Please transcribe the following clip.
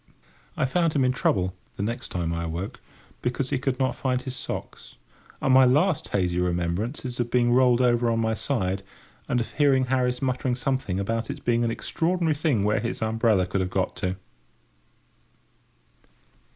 I found him in trouble, the next time I awoke, because he could not find his socks; and my last hazy remembrance is of being rolled over on my side, and of hearing Harris muttering something about its being an extraordinary thing where his umbrella could have got to.